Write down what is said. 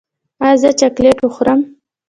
ایا زه چاکلیټ وخورم؟